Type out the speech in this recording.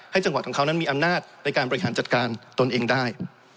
จังหวัดของเขานั้นมีอำนาจในการบริหารจัดการตนเองได้